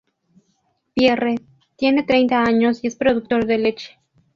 Pierre, tiene treinta años y es productor de leche.